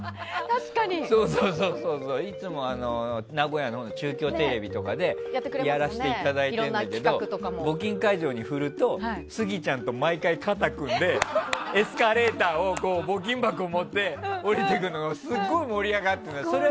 いつも名古屋の中京テレビとかでやらしていただいてるんだけど募金会場に振ると、スギちゃんと毎回、肩を組んでエスカレーターを募金箱を持って折りてくるのがすごい盛り上がって。